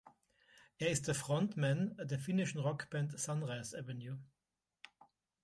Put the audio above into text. Er ist der Frontmann der finnischen Rockband Sunrise Avenue.